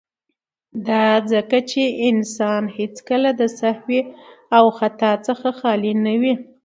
، دا ځکه چې انسان هيڅکله د سهو او خطا څخه خالي نه وي.